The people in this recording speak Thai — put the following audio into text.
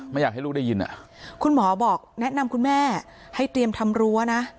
ไม่อยากให้ลูกได้ยินอ่ะคุณหมอบอกแนะนำคุณแม่ให้เตรียมทำรั้วนะ